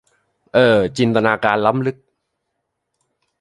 เอ่อ จินตนาการล้ำลึก